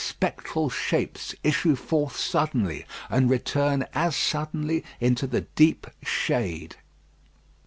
Spectral shapes issue forth suddenly, and return as suddenly into the deep shade.